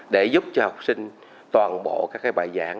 để giúp cho học sinh toàn bộ các bài giảng